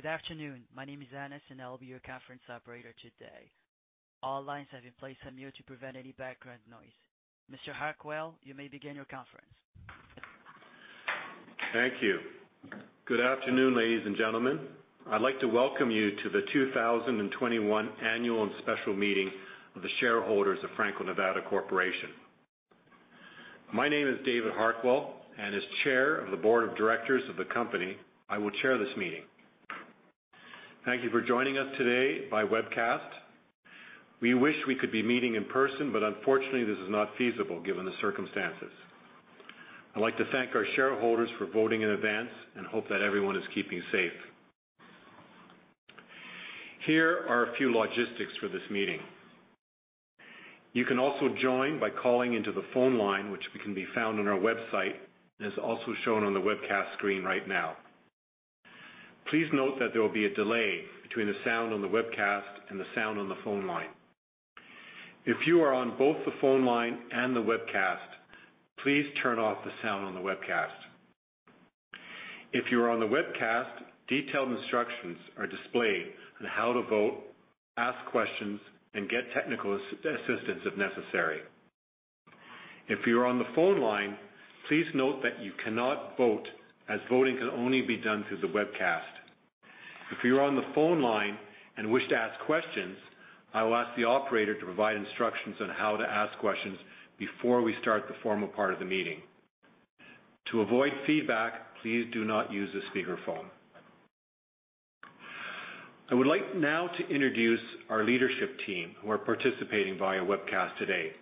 Good afternoon. My name is Annis, and I'll be your conference operator today. All lines have been placed on mute to prevent any background noise. Mr. Harquail, you may begin your conference. Thank you. Good afternoon, ladies and gentlemen. I'd like to welcome you to the 2021 annual and special meeting of the shareholders of Franco-Nevada Corporation. My name is David Harquail, and as Chair of the Board of Directors of the company, I will chair this meeting. Thank you for joining us today by webcast. We wish we could be meeting in person, but unfortunately, this is not feasible given the circumstances. I'd like to thank our shareholders for voting in advance, and hope that everyone is keeping safe. Here are a few logistics for this meeting. You can also join by calling into the phone line, which can be found on our website, and is also shown on the webcast screen right now. Please note that there will be a delay between the sound on the webcast and the sound on the phone line. If you are on both the phone line and the webcast, please turn off the sound on the webcast. If you are on the webcast, detailed instructions are displayed on how to vote, ask questions, and get technical assistance if necessary. If you are on the phone line, please note that you cannot vote, as voting can only be done through the webcast. If you are on the phone line and wish to ask questions, I will ask the operator to provide instructions on how to ask questions before we start the formal part of the meeting. To avoid feedback, please do not use the speakerphone. I would like now to introduce our leadership team, who are participating via webcast today.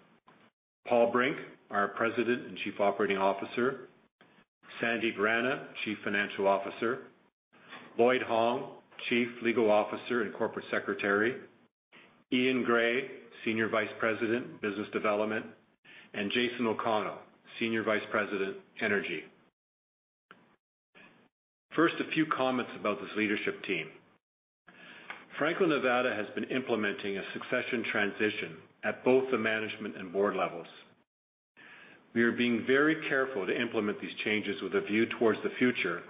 Paul Brink, our President and Chief Operating Officer. Sandip Rana, Chief Financial Officer. Lloyd Hong, Chief Legal Officer and Corporate Secretary. Euan Gray, Senior Vice President, Business Development, and Jason O'Connell, Senior Vice President, Energy. First, a few comments about this leadership team. Franco-Nevada has been implementing a succession transition at both the management and board levels. We are being very careful to implement these changes with a view towards the future,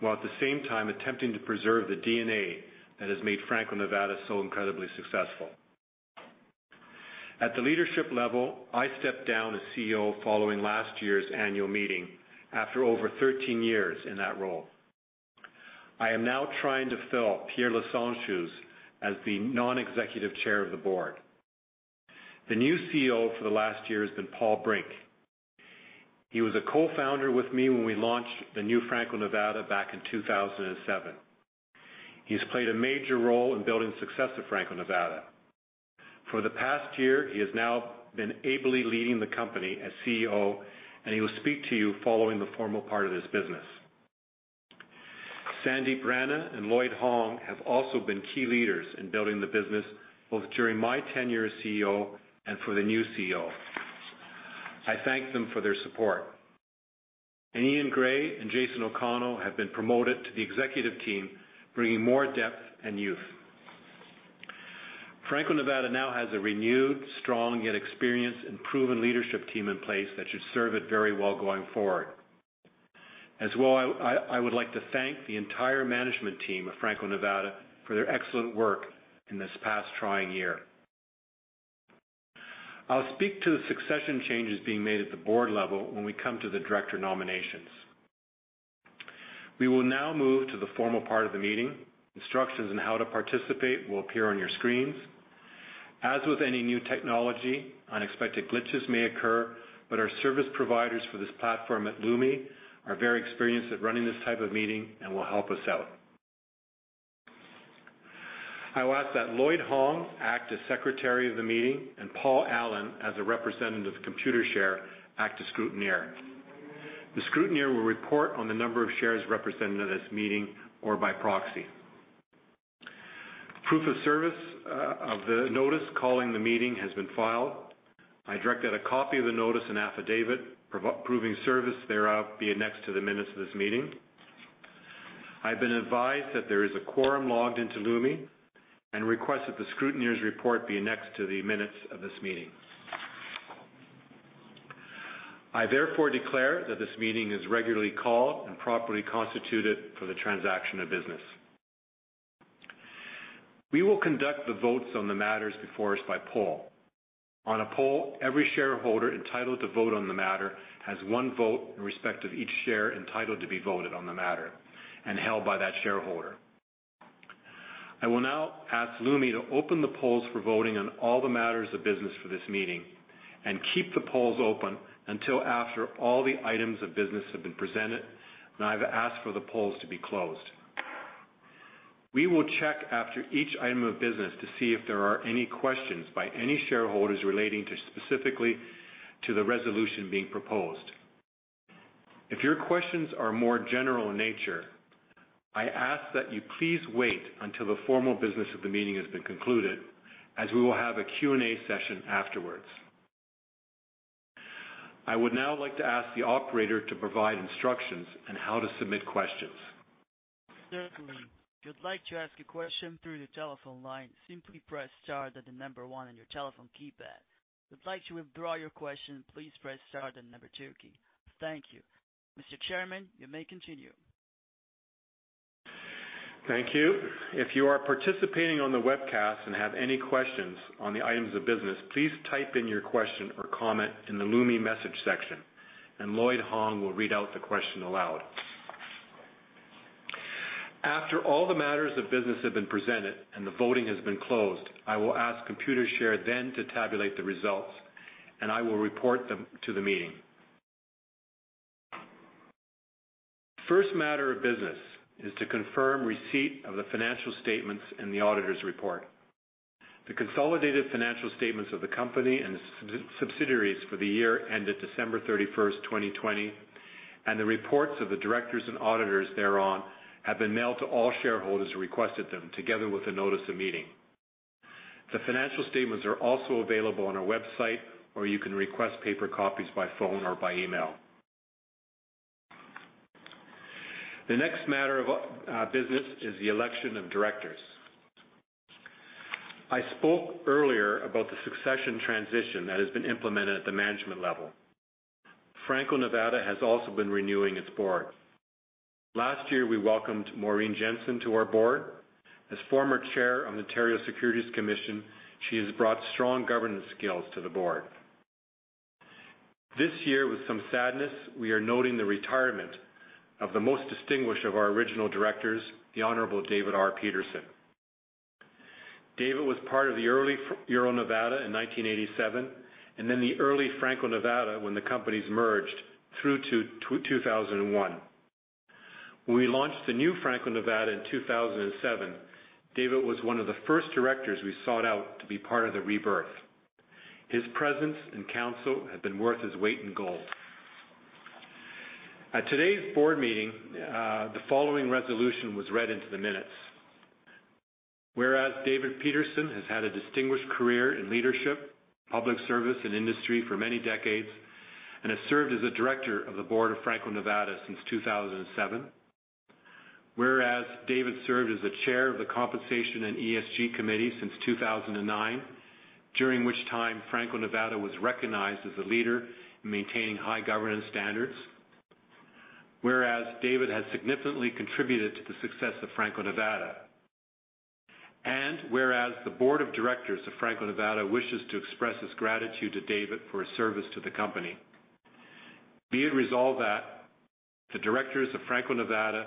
while at the same time attempting to preserve the DNA that has made Franco-Nevada so incredibly successful. At the leadership level, I stepped down as CEO following last year's annual meeting after over 13 years in that role. I am now trying to fill Pierre Lassonde's shoes as the Non-Executive Chair of the Board. The new CEO for the last year has been Paul Brink. He was a co-founder with me when we launched the new Franco-Nevada back in 2007. He's played a major role in building success of Franco-Nevada. For the past year, he has now been ably leading the company as CEO, and he will speak to you following the formal part of this business. Sandip Rana and Lloyd Hong have also been key leaders in building the business, both during my tenure as CEO and for the new CEO. I thank them for their support. Eaun Gray and Jason O'Connell have been promoted to the executive team, bringing more depth and youth. Franco-Nevada now has a renewed, strong, yet experienced and proven leadership team in place that should serve it very well going forward. I would like to thank the entire management team of Franco-Nevada for their excellent work in this past trying year. I'll speak to the succession changes being made at the board level when we come to the director nominations. We will now move to the formal part of the meeting. Instructions on how to participate will appear on your screens. As with any new technology, unexpected glitches may occur, but our service providers for this platform at Lumi are very experienced at running this type of meeting and will help us out. I will ask that Lloyd Hong act as secretary of the meeting and Paul Allen as a representative of Computershare act as scrutineer. The scrutineer will report on the number of shares represented at this meeting or by proxy. Proof of service of the notice calling the meeting has been filed. I direct that a copy of the notice and affidavit proving service thereof be annexed to the minutes of this meeting. I've been advised that there is a quorum logged into Lumi and request that the scrutineer's report be annexed to the minutes of this meeting. I therefore declare that this meeting is regularly called and properly constituted for the transaction of business. We will conduct the votes on the matters before us by poll. On a poll, every shareholder entitled to vote on the matter has one vote in respect of each share entitled to be voted on the matter and held by that shareholder. I will now ask Lumi to open the polls for voting on all the matters of business for this meeting and keep the polls open until after all the items of business have been presented and I've asked for the polls to be closed. We will check after each item of business to see if there are any questions by any shareholders relating specifically to the resolution being proposed. If your questions are more general in nature, I ask that you please wait until the formal business of the meeting has been concluded, as we will have a Q&A session afterwards. I would now like to ask the operator to provide instructions on how to submit questions. Certainly. If you'd like to ask a question through the telephone line, simply press star, then the number one on your telephone keypad. If you would like to withdraw your question, please press star then the number two key. Thank you. Mr. Chairman, you may continue. Thank you. If you are participating on the webcast and have any questions on the items of business, please type in your question or comment in the Lumi message section, and Lloyd Hong will read out the question aloud. After all the matters of business have been presented and the voting has been closed, I will ask Computershare then to tabulate the results, and I will report them to the meeting. First matter of business is to confirm receipt of the financial statements and the auditor's report. The consolidated financial statements of the company and its subsidiaries for the year ended December 31st, 2020, and the reports of the directors and auditors thereon, have been mailed to all shareholders who requested them, together with a notice of meeting. The financial statements are also available on our website, or you can request paper copies by phone or by email. The next matter of business is the election of directors. I spoke earlier about the succession transition that has been implemented at the management level. Franco-Nevada has also been renewing its board. Last year, we welcomed Maureen Jensen to our board. As former chair of Ontario Securities Commission, she has brought strong governance skills to the board. This year, with some sadness, we are noting the retirement of the most distinguished of our original directors, the Honorable David R. Peterson. David was part of the early Euro-Nevada in 1987, and then the early Franco-Nevada when the companies merged through to 2001. When we launched the new Franco-Nevada in 2007, David was one of the first directors we sought out to be part of the rebirth. His presence and counsel have been worth his weight in gold. At today's board meeting, the following resolution was read into the minutes. Whereas David Peterson has had a distinguished career in leadership, public service, and industry for many decades and has served as a Director of the board of Franco-Nevada since 2007. Whereas David served as the Chair of the Compensation and ESG Committee since 2009, during which time Franco-Nevada was recognized as a leader in maintaining high governance standards. Whereas David has significantly contributed to the success of Franco-Nevada, and whereas the Board of Directors of Franco-Nevada wishes to express its gratitude to David for his service to the company. Be it resolved that the Directors of Franco-Nevada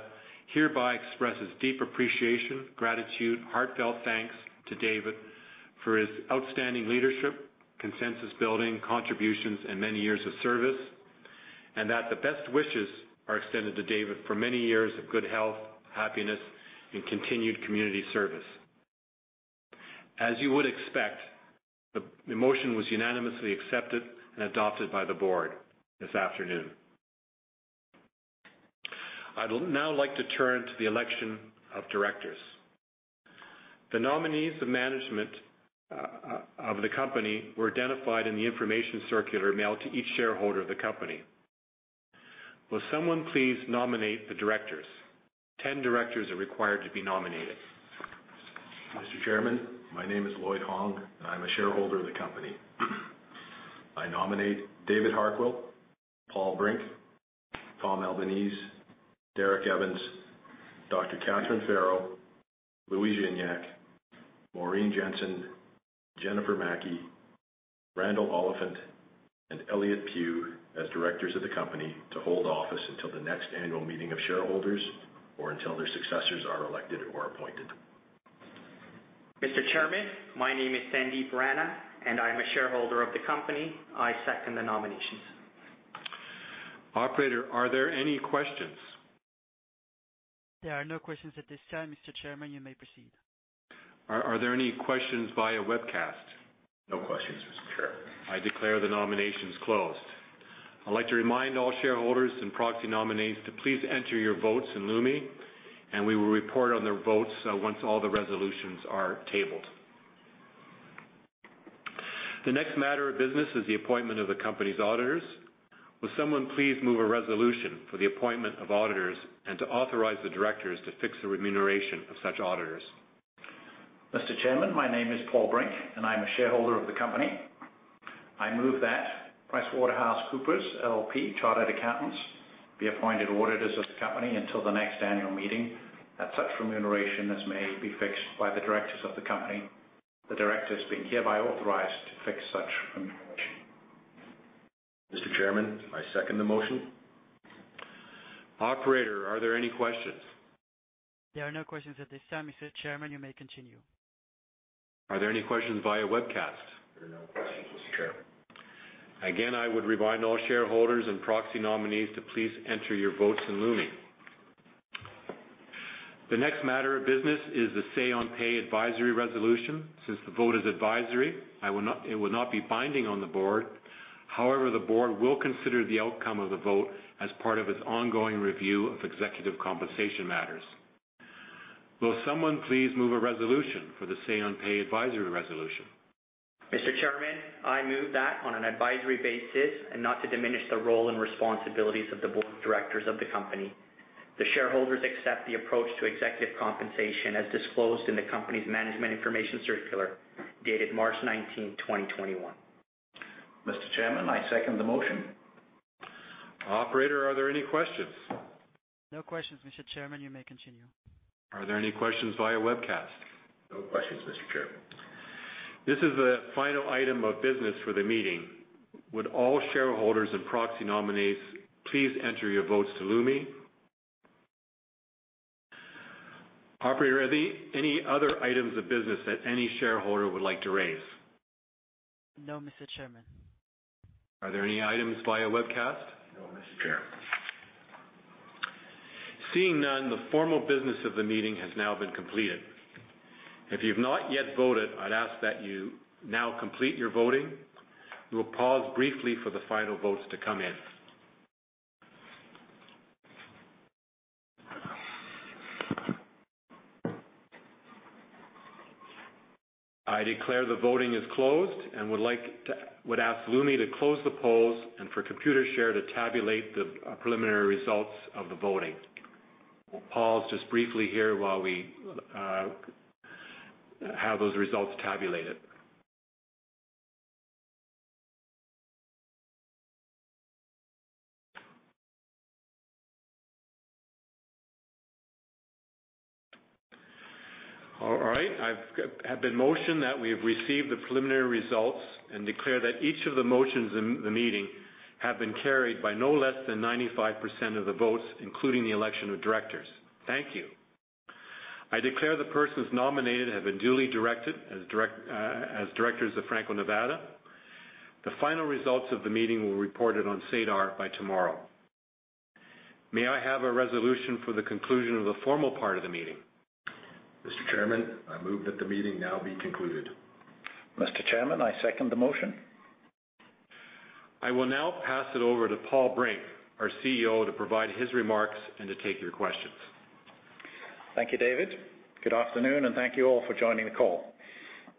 hereby express its deep appreciation, gratitude, heartfelt thanks to David for his outstanding leadership, consensus-building contributions, and many years of service, and that the best wishes are extended to David for many years of good health, happiness, and continued community service. As you would expect, the motion was unanimously accepted and adopted by the board this afternoon. I'd now like to turn to the election of directors. The nominees of management of the company were identified in the information circular mailed to each shareholder of the company. Will someone please nominate the directors? 10 directors are required to be nominated. Mr. Chairman, my name is Lloyd Hong, and I'm a shareholder of the company. I nominate David Harquail, Paul Brink, Tom Albanese, Derek Evans, Dr. Catharine Farrow, Louis Gignac, Maureen Jensen, Jennifer Maki, Randall Oliphant, and Elliott Pew as directors of the company to hold office until the next annual meeting of shareholders or until their successors are elected or appointed. Mr. Chairman, my name is Sandip Rana, and I am a shareholder of the company. I second the nominations. Operator, are there any questions? There are no questions at this time, Mr. Chairman. You may proceed. Are there any questions via webcast? No questions, Mr. Chairman. I declare the nominations closed. I'd like to remind all shareholders and proxy nominees to please enter your votes in Lumi, and we will report on the votes once all the resolutions are tabled. The next matter of business is the appointment of the company's auditors. Will someone please move a resolution for the appointment of auditors and to authorize the directors to fix the remuneration of such auditors? Mr. Chairman, my name is Paul Brink, and I am a shareholder of the company. I move that PricewaterhouseCoopers LLP, chartered accountants, be appointed auditors of the company until the next annual meeting at such remuneration as may be fixed by the directors of the company, the directors being hereby authorized to fix such remuneration. Mr. Chairman, I second the motion. Operator, are there any questions? There are no questions at this time. Mr. Chairman, you may continue. Are there any questions via webcast? There are no questions, Mr. Chairman. Again, I would remind all shareholders and proxy nominees to please enter your votes in Lumi. The next matter of business is the say-on-pay advisory resolution. Since the vote is advisory, it will not be binding on the board. However, the board will consider the outcome of the vote as part of its ongoing review of executive compensation matters. Will someone please move a resolution for the say-on-pay advisory resolution? Mr. Chairman, I move that on an advisory basis and not to diminish the role and responsibilities of the board of directors of the company. The shareholders accept the approach to executive compensation as disclosed in the company's management information circular, dated March 19, 2021. Mr. Chairman, I second the motion. Operator, are there any questions? No questions, Mr. Chairman. You may continue. Are there any questions via webcast? No questions, Mr. Chairman. This is the final item of business for the meeting. Would all shareholders and proxy nominees please enter your votes to Lumi? Operator, are there any other items of business that any shareholder would like to raise? No, Mr. Chairman. Are there any items via webcast? No, Mr. Chair. Seeing none, the formal business of the meeting has now been completed. If you've not yet voted, I'd ask that you now complete your voting. We will pause briefly for the final votes to come in. I declare the voting is closed and would ask Lumi to close the polls and for Computershare to tabulate the preliminary results of the voting. We'll pause just briefly here while we have those results tabulated. All right, I have the motion that we have received the preliminary results and declare that each of the motions in the meeting have been carried by no less than 95% of the votes, including the election of directors. Thank you. I declare the persons nominated have been duly directed as directors of Franco-Nevada. The final results of the meeting will be reported on SEDAR by tomorrow. May I have a resolution for the conclusion of the formal part of the meeting? Mr. Chairman, I move that the meeting now be concluded. Mr. Chairman, I second the motion. I will now pass it over to Paul Brink, our CEO, to provide his remarks and to take your questions. Thank you, David. Good afternoon, and thank you all for joining the call.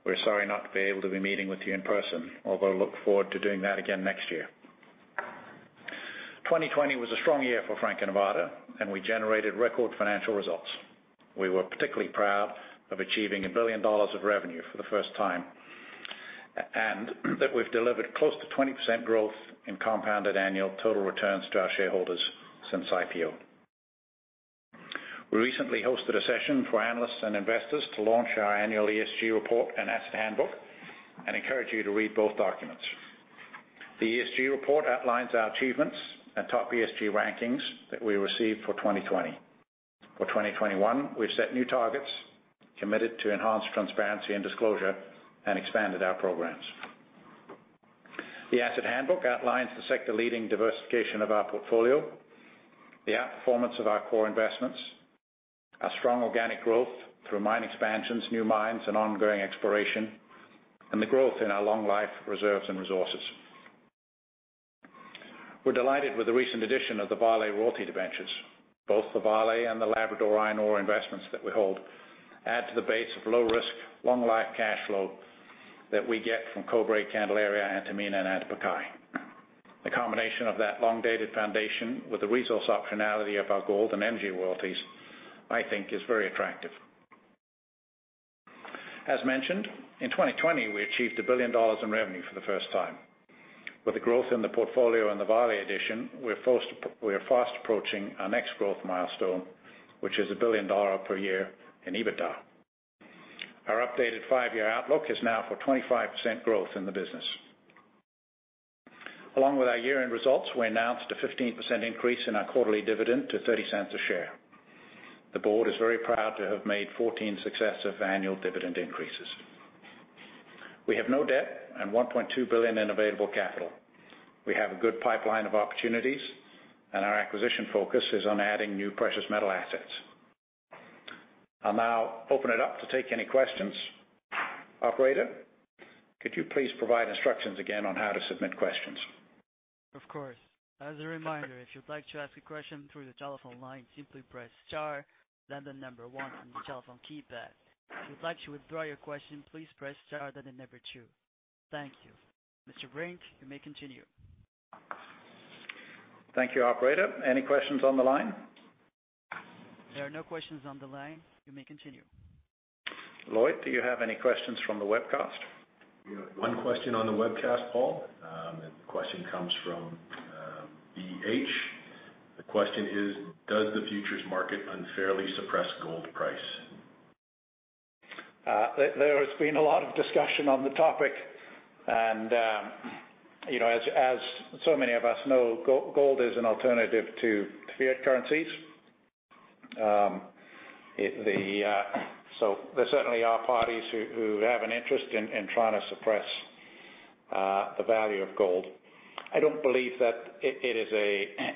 We're sorry not to be able to be meeting with you in person, although look forward to doing that again next year. 2020 was a strong year for Franco-Nevada, and we generated record financial results. We were particularly proud of achieving $1 billion of revenue for the first time, and that we've delivered close to 20% growth in compounded annual total returns to our shareholders since IPO. We recently hosted a session for analysts and investors to launch our annual ESG Report and Asset Handbook and encourage you to read both documents. The ESG Report outlines our achievements and top ESG rankings that we received for 2020. For 2021, we've set new targets, committed to enhanced transparency and disclosure, and expanded our programs. The asset handbook outlines the sector-leading diversification of our portfolio, the outperformance of our core investments, our strong organic growth through mine expansions, new mines, and ongoing exploration, and the growth in our long life reserves and resources. We're delighted with the recent addition of the Vale Royalty Debentures. Both the Vale and the Labrador iron ore investments that we hold add to the base of low risk, long life cash flow that we get from Cobre, Candelaria, Antamina, and Antapaccay. The combination of that long-dated foundation with the resource optionality of our gold and energy royalties, I think, is very attractive. As mentioned, in 2020, we achieved $1 billion in revenue for the first time. With the growth in the portfolio and the Vale addition, we are fast approaching our next growth milestone, which is $1 billion per year in EBITDA. Our updated five-year outlook is now for 25% growth in the business. Along with our year-end results, we announced a 15% increase in our quarterly dividend to $0.30 a share. The board is very proud to have made 14 successive annual dividend increases. We have no debt and $1.2 billion in available capital. We have a good pipeline of opportunities, and our acquisition focus is on adding new precious metal assets. I'll now open it up to take any questions. Operator, could you please provide instructions again on how to submit questions? Of course. As a reminder, if you'd like to ask a question through the telephone line, simply press star, then the number one on your telephone keypad. If you'd like to withdraw your question, please press star, then the number two. Thank you. Mr. Brink, you may continue. Thank you, Operator. Any questions on the line? There are no questions on the line. You may continue. Lloyd, do you have any questions from the webcast? We have one question on the webcast, Paul. The question comes from BH. The question is, does the futures market unfairly suppress gold price? There has been a lot of discussion on the topic and you know, as so many of us know, gold is an alternative to fiat currencies. There certainly are parties who have an interest in trying to suppress the value of gold. I don't believe that it is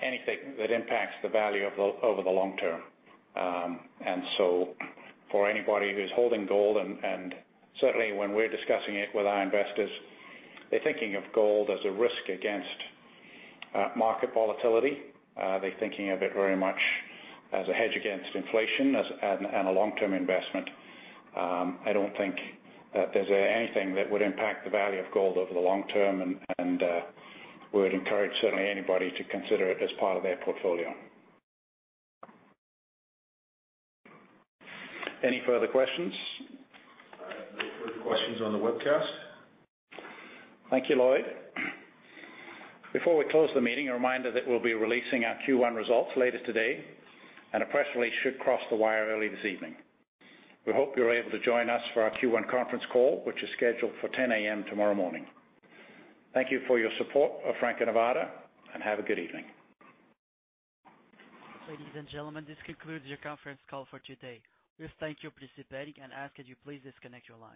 anything that impacts the value over the long term. For anybody who's holding gold, and certainly when we're discussing it with our investors, they're thinking of gold as a risk against market volatility. They're thinking of it very much as a hedge against inflation and a long-term investment. I don't think that there's anything that would impact the value of gold over the long term. We would encourage certainly anybody to consider it as part of their portfolio. Any further questions? I have no further questions on the webcast. Thank you, Lloyd. Before we close the meeting, a reminder that we'll be releasing our Q1 results later today, and a press release should cross the wire early this evening. We hope you're able to join us for our Q1 conference call, which is scheduled for 10:00 A.M. tomorrow morning. Thank you for your support of Franco-Nevada, and have a good evening. Ladies and gentlemen, this concludes your conference call for today. We thank you for participating and ask that you please disconnect your line.